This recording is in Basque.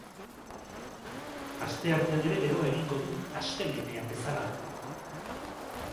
Asteartean ere beroa egingo du astelehenean bezala.